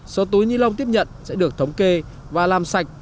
số túi ni lông tiếp nhận sẽ được thống kê và làm sạch